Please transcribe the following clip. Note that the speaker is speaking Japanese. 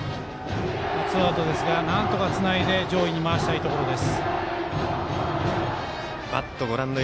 ツーアウトですがなんとかつないで上位に回したいところです。